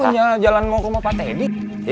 jalan jalan mau rumah pak teddy